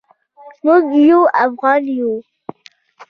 موږ یو افغان یو